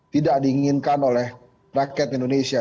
tidak diinginkan oleh rakyat indonesia